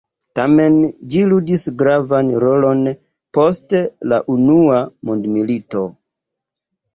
Tamen, ĝi ludis gravan rolon post la Unua Mondmilito.